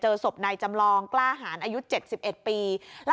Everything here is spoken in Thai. เจอศพในจำลองกล้าหารอายุเจ็ดสิบเอ็ดปี